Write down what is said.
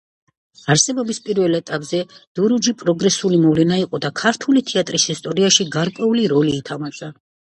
არსებობის პირველ ეტაპზე „დურუჯი“ პროგრესული მოვლენა იყო და ქართული თეატრის ისტორიაში გარკვეული როლი ითამაშა.